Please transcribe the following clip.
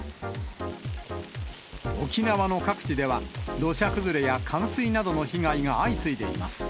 沖縄の各地では、土砂崩れや冠水などの被害が相次いでいます。